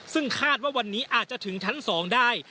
ซึ่งคาดว่าวันนี้อาจจะถึงชั้น๒ได้